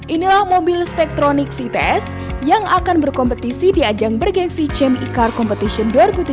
inilah mobil spektronik cps yang akan berkompetisi di ajang bergensi champi car competition dua ribu tujuh belas